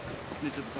ちょっとさ